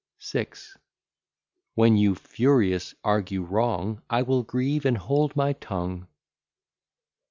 VI When you furious argue wrong, I will grieve and hold my tongue.